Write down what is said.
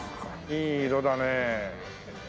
いい色だねえ。